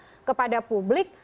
menyatakan kepada publik